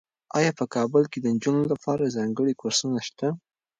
ایا په کابل کې د نجونو لپاره ځانګړي کورسونه شته؟